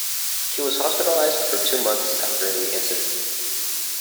He was hospitalized for two months after the incident.